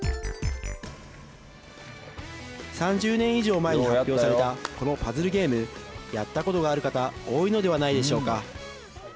３０年以上前に発表されたこのパズルゲームやったことがある方多いのではないでしょうか。